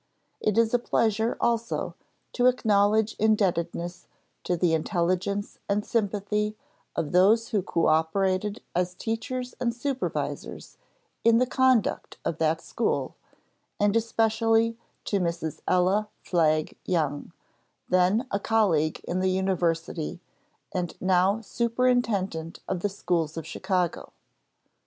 It is a pleasure, also, to acknowledge indebtedness to the intelligence and sympathy of those who coöperated as teachers and supervisors in the conduct of that school, and especially to Mrs. Ella Flagg Young, then a colleague in the University, and now Superintendent of the Schools of Chicago.